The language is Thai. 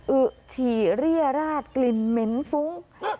อึฉี่เรียราชกลิ่นเหม็นฟุ้ง